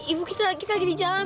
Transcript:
ibu kita lagi di jalan